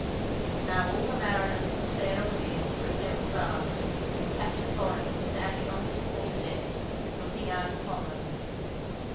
Now all the mariners of the Sarah Williams were assembled aft and Captain Bonnet was standing on his quarter deck, looking out upon them.